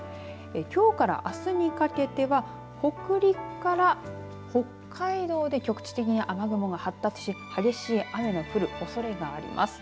きょうから、あすにかけては北陸から北海道で局地的に雨雲が発達し、激しい雨の降るおそれがあります。